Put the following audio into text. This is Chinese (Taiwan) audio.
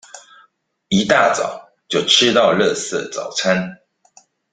一大早就吃到垃圾早餐